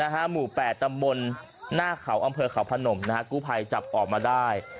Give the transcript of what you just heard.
หมู่๘ตำบลหน้าเขาอำเภอเขาพนมกู้ภัยจับออกมาได้